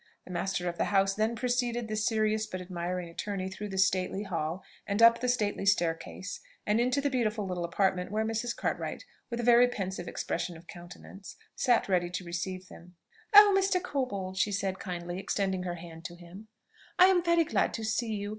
The master of the house then preceded the serious but admiring attorney through the stately hall, and up the stately staircase, and into the beautiful little apartment where Mrs. Cartwright, with a very pensive expression of countenance, sat ready to receive them. "Oh! Mr. Corbold," she said, kindly extending her hand to him, "I am very glad to see you.